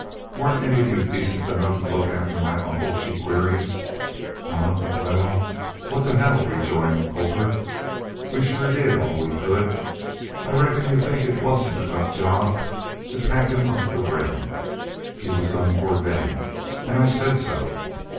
"Weren't any of y'u decent enough to look after my uncle?" she queried. "Huh! Wal, what the hell!" rejoined Colter. "We shore did all we could. I reckon y'u think it wasn't a tough job to pack him up the Rim. He was done for then an' I said so."